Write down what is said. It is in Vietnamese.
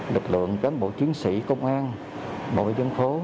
lực lượng cán bộ chuyến sĩ công an bảo vệ dân phố